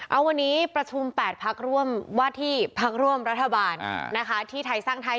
เอาวันนี้ประชุม๘พักร่วมว่าที่พักร่วมรัฐบาลนะคะที่ไทยสร้างไทย